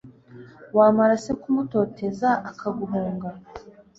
wamara se kumutoteza, akaguhunga